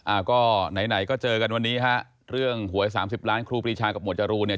อ่าก็ไหนไหนก็เจอกันวันนี้ฮะเรื่องหวยสามสิบล้านครูปรีชากับหมวดจรูนเนี่ย